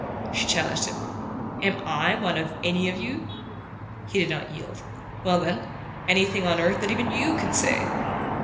She challenged him: "Am I one of 'any of you'?" He did not yield. "Well, then anything on earth that even YOU can say."